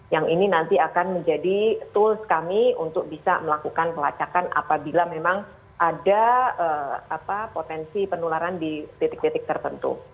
yang ini nanti akan menjadi tools kami untuk bisa melakukan pelacakan apabila memang ada potensi penularan di titik titik tertentu